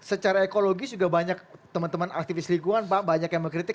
secara ekologis juga banyak teman teman aktivis lingkungan pak banyak yang mengkritik